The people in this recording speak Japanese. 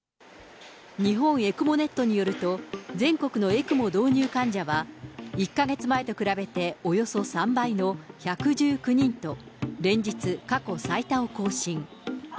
日本ＥＣＭＯｎｅｔによると、全国のＥＣＭＯ導入患者は１か月前と比べて、およそ３倍の１１９人と、連日過去最多を更新。